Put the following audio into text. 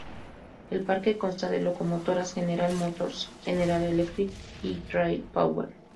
El parque consta de locomotoras General Motors, General Electric y Rail Power.